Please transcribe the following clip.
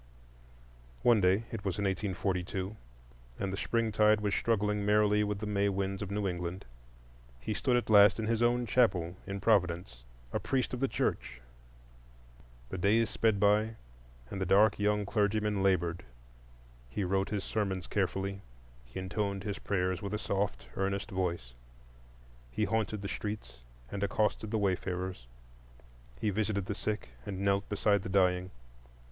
One day—it was in 1842, and the springtide was struggling merrily with the May winds of New England—he stood at last in his own chapel in Providence, a priest of the Church. The days sped by, and the dark young clergyman labored; he wrote his sermons carefully; he intoned his prayers with a soft, earnest voice; he haunted the streets and accosted the wayfarers; he visited the sick, and knelt beside the dying.